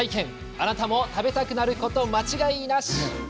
あなたも食べたくなること間違いなし。